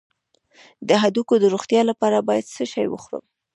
د هډوکو د روغتیا لپاره باید څه شی وخورم؟